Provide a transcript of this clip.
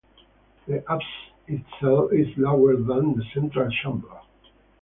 The apse itself is lower than the central chamber.